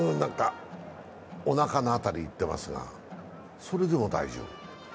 おなかの辺りいってますが、それでも大丈夫。